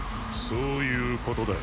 そういうことだ。